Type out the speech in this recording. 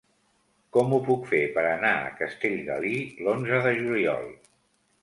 Com ho puc fer per anar a Castellgalí l'onze de juliol?